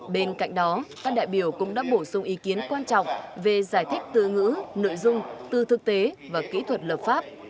bên cạnh đó các đại biểu cũng đã bổ sung ý kiến quan trọng về giải thích từ ngữ nội dung từ thực tế và kỹ thuật lập pháp